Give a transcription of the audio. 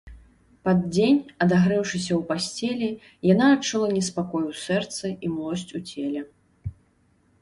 Пад дзень, адагрэўшыся ў пасцелі, яна адчула неспакой у сэрцы і млосць у целе.